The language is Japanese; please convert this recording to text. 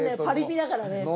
パリピだからね。